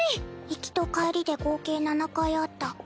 行きと帰りで合計７回あった。